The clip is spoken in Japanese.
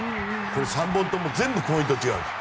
これ３本とも全部ポイントが違うんです。